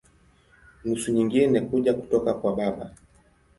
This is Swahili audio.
Nusu nyingine kuja kutoka kwa baba.